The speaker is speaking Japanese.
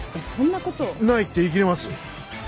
ないって言いきれます？